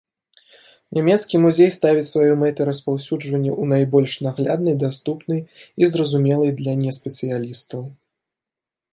Нямецкі музей ставіць сваёй мэтай распаўсюджванне ў найбольш нагляднай, даступнай і зразумелай для неспецыялістаў.